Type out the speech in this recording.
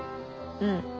うん。